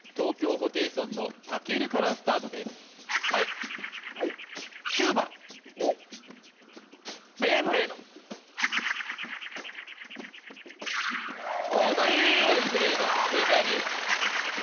ホテイソンのたけるからスタートですはい９番ベイブレード正解です